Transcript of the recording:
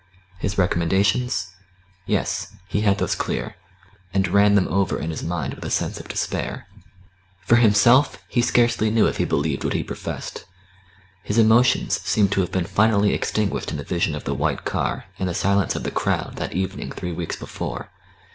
His recommendations ? Yes, he had those clear, and ran them over in his mind with a sense of despair. For himself, he scarcely knew if he believed what he professed. His emotions seemed to have been finally extinguished in the vision of the white car and the silence of the crowd that evening three weeks before.